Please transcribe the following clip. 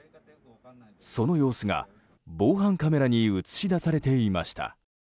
その様子が、防犯カメラに映し出されていました。